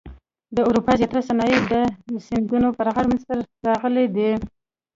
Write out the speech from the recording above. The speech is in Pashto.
د اروپا زیاتره صنایع د سیندونو پر غاړه منځته راغلي دي.